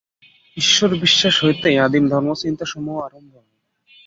ঈশ্বরবিশ্বাস হইতেই আদিম ধর্মচিন্তাসমূহ আরম্ভ হয়।